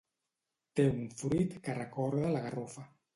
Té un fruit que recorda la garrofa.